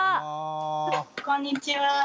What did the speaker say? こんにちは。